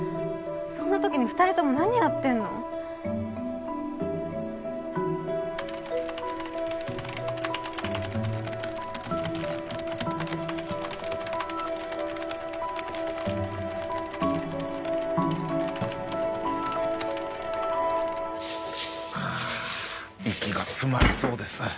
そんな時に２人とも何やってんのあー息が詰まりそうです